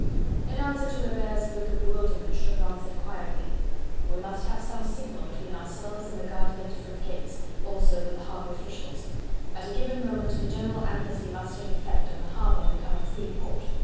In answer to Hebert's look of bewilderment Chauvelin said quietly: "We must have some signal between ourselves and the guard at the different gates, also with the harbour officials: at a given moment the general amnesty must take effect and the harbour become a free port.